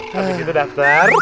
habis itu daftar